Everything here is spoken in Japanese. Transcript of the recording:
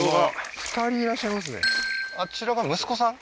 あちらが息子さん？